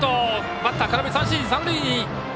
バッターは空振り三振。